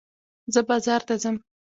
زه بازار ته ځم.